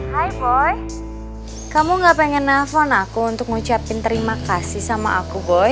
hai boy kamu gak pengen nelfon aku untuk ngucapin terima kasih sama aku boy